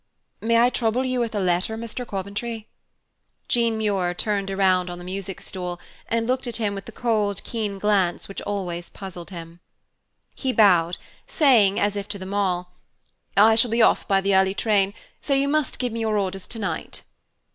"May I trouble you with a letter, Mr. Coventry?" Jean Muir turned around on the music stool and looked at him with the cold keen glance which always puzzled him. He bowed, saying, as if to them all, "I shall be off by the early train, so you must give me your orders tonight."